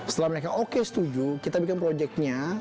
setelah mereka oke setuju kita bikin proyeknya